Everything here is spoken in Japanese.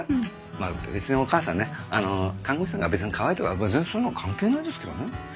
まあ別にお母さんね看護師さんがかわいいとか別にそういうの関係ないですけどね。